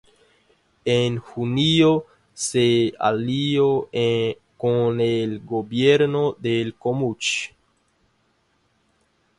En junio se alió con el Gobierno del Komuch.